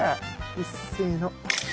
いっせの。